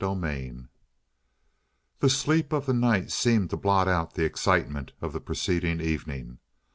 CHAPTER 10 The sleep of the night seemed to blot out the excitement of the preceding evening.